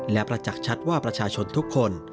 และประจักษ์ชัดว่าประชาชนทุกคน